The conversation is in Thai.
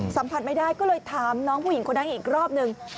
สัมผัสไม่ได้ก็เลยถามน้องผู้หญิงคนนั้นอีกรอบหนึ่ง